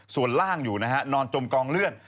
ส่วนล่างอยู่นะฮะนอนจมกองเลือด